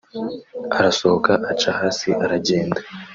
arasohoka aca hasi aragenda